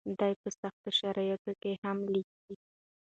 دی په سختو شرایطو کې هم لیکي.